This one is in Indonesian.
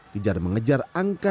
pijar mengejar angkat